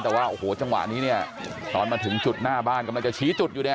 แต่ว่าโอ้โหจังหวะนี้เนี่ยตอนมาถึงจุดหน้าบ้านกำลังจะชี้จุดอยู่เนี่ย